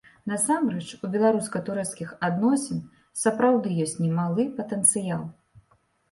Насамрэч, у беларуска-турэцкіх адносін сапраўды ёсць немалы патэнцыял.